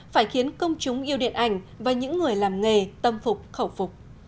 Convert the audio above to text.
phải khiến công chúng yêu điện ảnh và những người làm nghề tâm phục khẩu phục